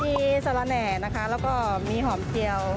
มีสาระแหน่นะคะแล้วก็มีหอมเจียว